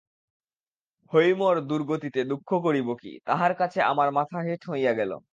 হৈমর দুর্গতিতে দুঃখ করিব কী, তাহার কাছে আমার মাথা হেঁট হইয়া গেল।